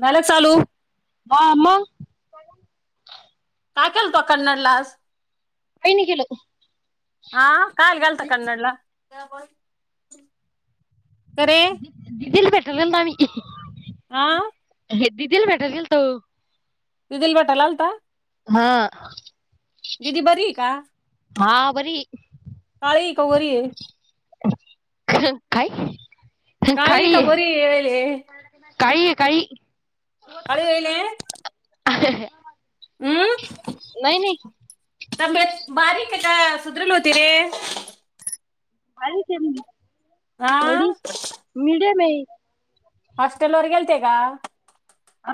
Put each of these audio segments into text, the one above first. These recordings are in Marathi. झाले चालू. हा मग काय केलतो कन्नडलाज काही नाही केलं हा काय घालता क्नडला त्याबण दि दिल भेटले दम्ही आं? हे दीदीला भेटायला गेलतो. दीदीला भेटायला आलता? हां. दिदी बरी ये का? हां बरीये. काळीये का गोरीये? काय? काळी का गोरी ययेले? काळी ये काळी. काळी ययीले? [unintelligible] हं? नाही नाही तब्येत बारीक के का सुधारेल होती रे? बारीक ये म्हणी, हा थोडी मिडम आहे. हॉस्टेलवर गेल्ते का?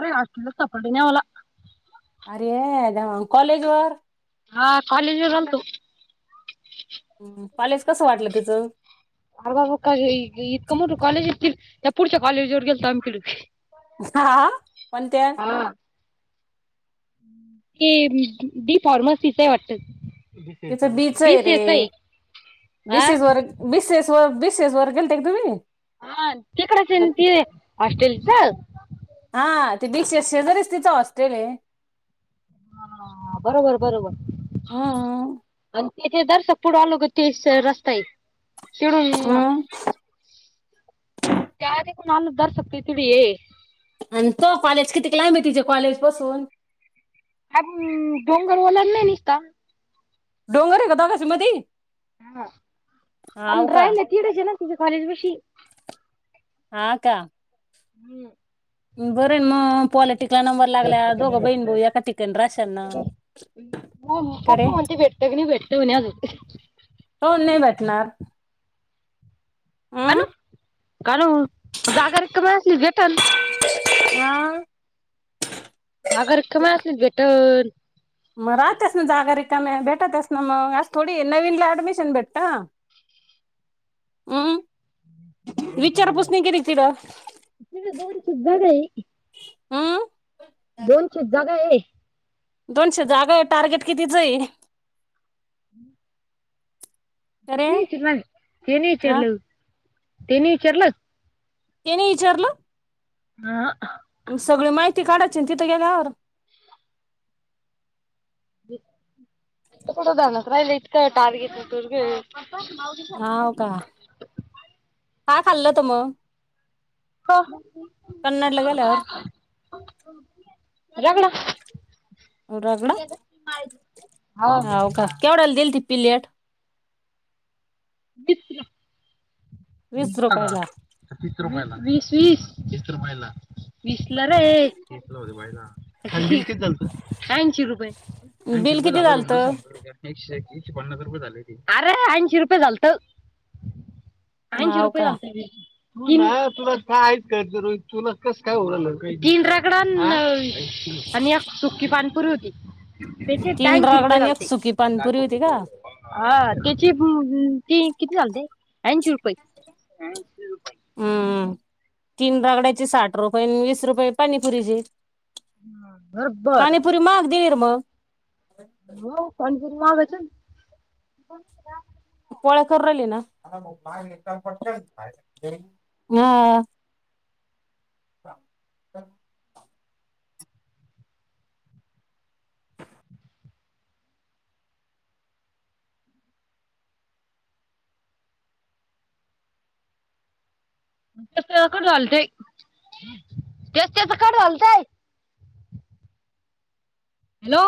अरे हॉस्टेल च सापडलं नाही आम्हाला. अरे देवा! कॉलेज वर? हा कॉलेजवर आल्तो. हं, कॉलेज कसं वाटलं तिचं? अरे बाबा! का इतक मोठं कॉलेज ये तिड. त्या पुढच्या कॉलेजवर गेलतो आम्ही तीड. हा? कोणत्या? हा ते बी फॉर्मसीचय वाटत. तिचं बी च आहे रे. हा बीसीज वर बिसेस वर बी सेस वर गेलते का तुम्ही? हा तिकडच ना ते हॉस्टेलच? हा ते बीसीएस शेजारीच तिच हॉस्टेल ये. ह बरोबर बरोबर. हम्म आण तथे दरसक पुढ आलो का तेच रस्ता आहे. तीडून हम्म. त्या तिकुन आलो का दरसक तू तिड ये. अन तुझं कॉलेज किती लांब ये तुझ्या कॉलेज पासून? अं डोंगर वलांडला ना निसता डोंगर आहे का दोघांची मधी हा हाव पण का राहिला तीडच ये ना? तिच्या कॉलेज पशी. हां का? हं. बरंय ना म पॉलिटिक् कला नंबर लागल्यावर दोघ बहीण भाऊ एका ठिकाणी राहशाल ना, का रे? मी भेटतो म्हणे अजून. काऊन नाही भेटणार? हा हम्म. म कारण जागा रिकामी असल्यावर देतान. [unintelligible] जागा रिकामी असली त भेटन. म राहत्याच ना जागा रिक काम्या. भेटत्याच ना म. असं थोडी ये? नवीन ला ऍडमिशन भेटत ना. अं? विचार पुसनी केली का तीढ? तिथे दोन चित दोनशेच जागा आहे. दोनशे जागाये, टार्गेट कितीचये? [inaudible] अरे तेनी विचलं तेनी हा इचारलं तेनी इचारलं तेनी इचारलं हा हा सगळी माहिती काढायची ना तिथं गेल्यावर [unintelligible] हाव का [unintelligible] काय खाल्लं त मग का [unintelligible] कन्नडला गेल्यावर रगडा [unintelligible] हा होव का केवढयाला दिल ती पिलेट वीस ला [unintelligible] वीस तीस ला रुपयाला का वीस रुपयला. वीस वीस [inaudible] वीस ला रे [unintelligible] कीती झालतं ऐंशी रुपये ऐंशी बिल रुपय किती झाल झालत [unintelligible] एकशे एक एकशे पन्नास रुप झाले अरे ऐंशी रुपये झाल ऐंशी हाव रुपय का झालतं तुला का आहे का [unintelligible] तुला कस काय तीन रगडा अन [unintelligible] आणि एक सुकी पाणीपुरी होती त्याचे तीन ऐंशीे रगडा रुपये आणि एक झालते सुकी पाणीपुरी होती का [unintelligible] हा त्याची [unintelligible] कित किती झालते ऐंशी रुपई हम्म तीन रागड्याचे साठ रुपये वीस रुपये पाणीपुरीचे हम बरोबर [unintelligible] हो [unintelligible] पोळ्या करून राहीली ना हा [inaudible] ते त्याच कड घालतय तेच त्याच कट घलतय हॅलो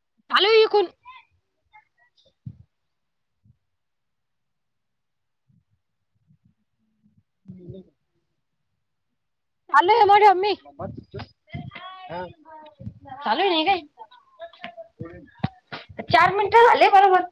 [unintelligible] [inaudible] चालू आहे [unintelligible] [unintelligible] चालू नाही काय [unintelligible] चार मिनटं झालेय बर बर